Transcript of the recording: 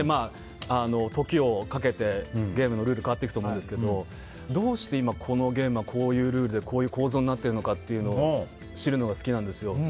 時をかけて、ゲームのルールも変わっていくと思うんですがどうして今、このゲームはこういうルールでこういう構造になっているのかを知るのが好きなんです。